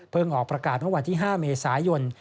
ออกประกาศเมื่อวันที่๕เมษายน